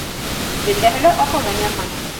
Бөтәһе лә аҡылдан яҙған.